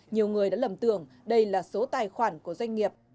nhiều người đã lầm tưởng đây là số tài khoản của doanh nghiệp